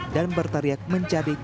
dan bertariak mencari kadet reski